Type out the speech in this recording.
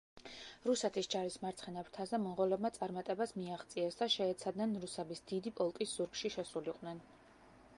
რუსეთის ჯარის მარცხენა ფრთაზე მონღოლებმა წარმატებას მიაღწიეს და შეეცადნენ რუსების დიდი პოლკის ზურგში შესულიყვნენ.